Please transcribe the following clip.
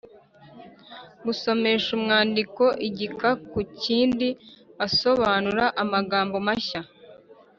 Gusomesha umwandiko igika ku kindi asobanura amagambo mashya